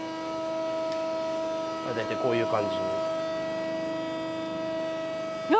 大体こういう感じに。